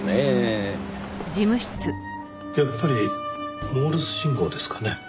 やっぱりモールス信号ですかね。